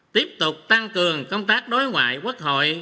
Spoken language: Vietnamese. tiếp tục tăng cường công tác đối ngoại quốc hội